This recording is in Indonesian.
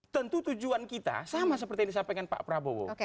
tentu tujuan kita sama seperti yang disampaikan pak prabowo